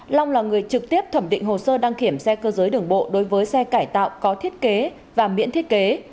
long là người trực tiếp thẩm định hồ sơ đăng kiểm xe cơ giới đường bộ đối với xe cải tạo có thiết kế và miễn thiết kế